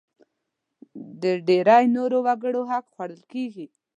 د ډېری نورو وګړو حق خوړل کېږي.